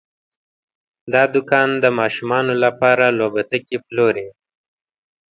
دا دوکان د ماشومانو لپاره لوبتکي پلوري.